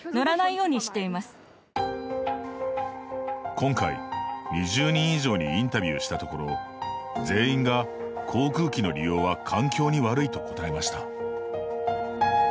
今回、２０人以上にインタビューしたところ全員が航空機の利用は環境に悪いと答えました。